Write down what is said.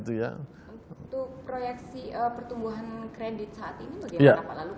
untuk proyeksi pertumbuhan kredit saat ini bagaimana pak